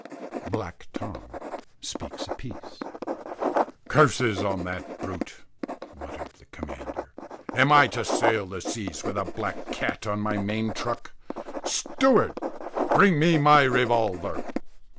BLACK TOM SPEAKS A PIECE. "Curses on the brute!" muttered the commander. "Am I to sail the seas with a black cat on my main truck? Steward, bring my revolver."